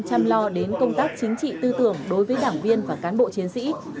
chăm lo đến công tác chính trị tư tưởng đối với đảng viên và cán bộ chiến sĩ